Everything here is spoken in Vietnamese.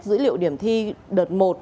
dữ liệu điểm thi đợt một